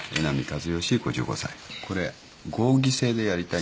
これ合議制でやりたいん。